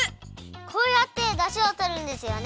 こうやってだしをとるんですよね。